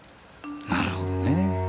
なるほどね。